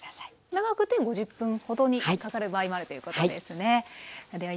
長くて５０分ほどかかる場合もあるということですね。